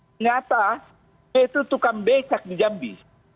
ternyata dia itu tukang becak di jambi